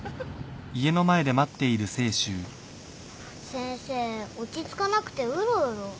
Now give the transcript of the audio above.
先生落ち着かなくてうろうろ。